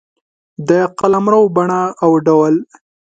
د قلمرو بڼه او ډول